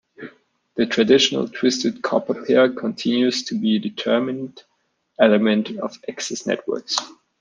The traditional twisted copper pair continues to be a determinant element of access networks.